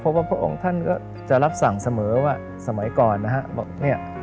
เพราะให้พระองค์ท่านจะรับสั่งเสมอว่า